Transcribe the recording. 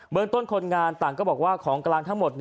เมืองต้นคนงานต่างก็บอกว่าของกลางทั้งหมด